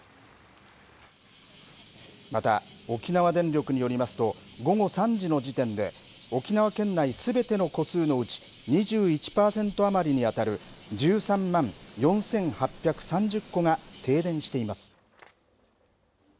また沖縄電力によりますと午後３時の時点で沖縄県内すべての戸数のうち２１パーセント余りに当たる１３万４８３０戸が停電しています。